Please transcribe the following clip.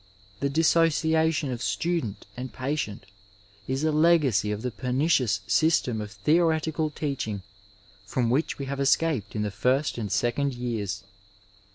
The dissociation of student and patient is a legacy of the per nicious system of theoretical teaching from which we have escaped in the first and second years.